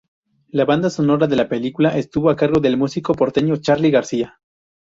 La Banda sonora de la película estuvo a cargo del músico porteño Charly García.